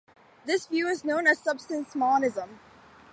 This view is known as substance monism.